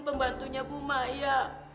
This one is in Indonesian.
pembantunya bu maya